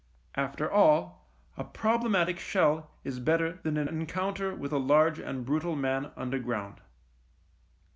After all, a problematic shell is better than an encounter with a large and brutal man underground.